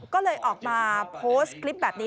ก็เลยออกมาโพสต์คลิปแบบนี้